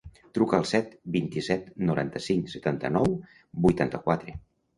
Truca al set, vint-i-set, noranta-cinc, setanta-nou, vuitanta-quatre.